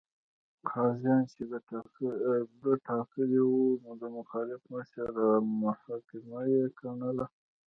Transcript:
قاضیان چې ده ټاکلي وو، د مخالف مشر محاکمه یې ګڼله.